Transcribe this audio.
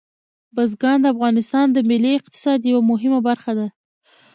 بزګان د افغانستان د ملي اقتصاد یوه مهمه برخه ده.